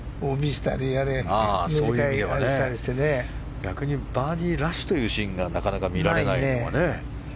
逆にバーディーラッシュというシーンがなかなか見られないのがね。